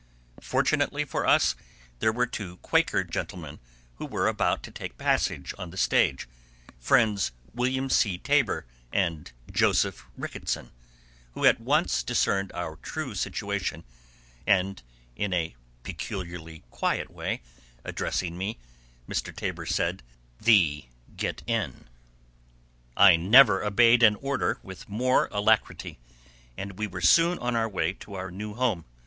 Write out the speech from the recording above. Fortunately for us, there were two Quaker gentlemen who were about to take passage on the stage,—Friends William C. Taber and Joseph Ricketson,—who at once discerned our true situation, and, in a peculiarly quiet way, addressing me, Mr. Taber said: "Thee get in." I never obeyed an order with more alacrity, and we were soon on our way to our new home.